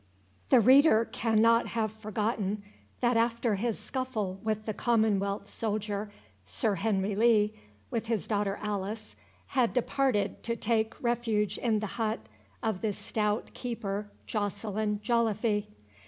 The reader cannot have forgotten that after his scuffle with the commonwealth soldier, Sir Henry Lee, with his daughter Alice, had departed to take refuge in the hut of the stout keeper Joceline Joliffe.